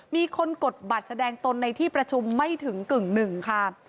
มีคนกดบัตรแสดงตนในที่ประชุมไม่ถึงกึ่งหนึ่งค่ะ